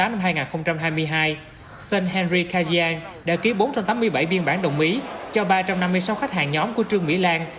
năm hai nghìn hai mươi hai set henry kajian đã ký bốn trăm tám mươi bảy biên bản đồng ý cho ba trăm năm mươi sáu khách hàng nhóm của trương mỹ lan